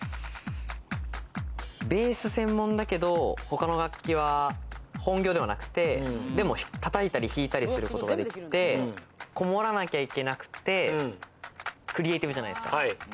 ベース専門だけど、他の楽器は本業ではなくて、でも叩いたり弾いたりすることができてこもらなきゃいけなくて、クリエイティブじゃないですか。